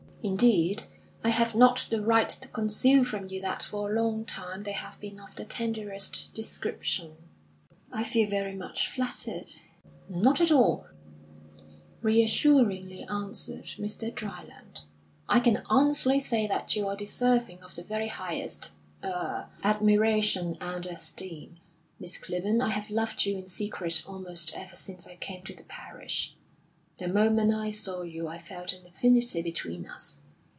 Indeed, I have not the right to conceal from you that for a long time they have been of the tenderest description." "I feel very much flattered." "Not at all," reassuringly answered Mr. Dryland. "I can honestly say that you are deserving of the very highest er admiration and esteem. Miss Clibborn, I have loved you in secret almost ever since I came to the parish. The moment I saw you I felt an affinity between us.